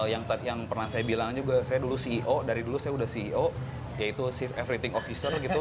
yang pernah saya bilang juga saya dulu ceo dari dulu saya udah ceo yaitu safe everything officer gitu